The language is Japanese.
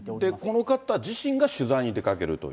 この方自身が取材に出かけるという？